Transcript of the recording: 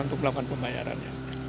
untuk melakukan pembayarannya